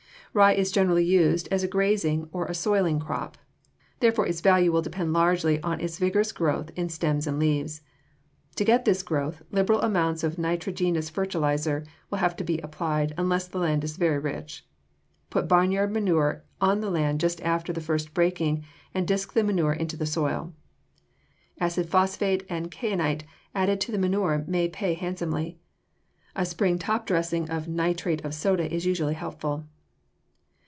Rye is generally used as a grazing or as a soiling crop. Therefore its value will depend largely on its vigorous growth in stems and leaves. To get this growth, liberal amounts of nitrogenous fertilizer will have to be applied unless the land is very rich. Put barnyard manure on the land just after the first breaking and disk the manure into the soil. Acid phosphate and kainite added to the manure may pay handsomely. A spring top dressing of nitrate of soda is usually helpful.